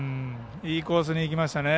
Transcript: いいコースにいきましたね。